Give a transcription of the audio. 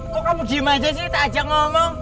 kok kamu diem aja sih tak ajak ngomong